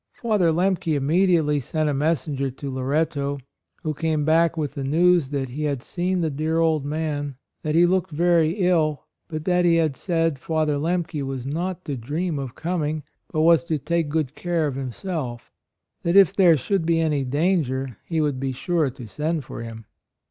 Father Lemke immediately sent a messenger to Loretto, who came back with the news that he had seen the dear old man; that he looked very ill, but that he had said Father Lemke was not to dream of coming, but was to take good care of himself; that if there should be any danger he would be sure to send for him.